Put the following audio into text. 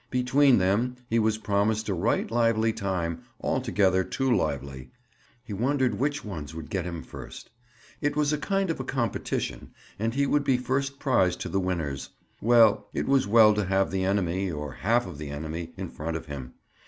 Between them, he was promised a right lively time—altogether too lively. He wondered which ones would get him first? It was a kind of a competition and he would be first prize to the winners. Well, it was well to have the enemy—or half of the enemy—in front of him.